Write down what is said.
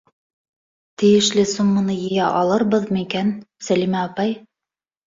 — Тейешле сумманы йыя алырбыҙмы икән, Сәлимә апай?